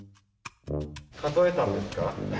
数えたんですか？